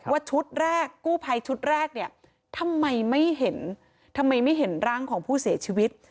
ชุดแรกกู้ภัยชุดแรกเนี่ยทำไมไม่เห็นทำไมไม่เห็นร่างของผู้เสียชีวิต